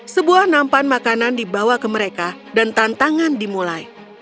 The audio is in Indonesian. sebuah nampan makanan dibawa ke mereka dan tantangan dimulai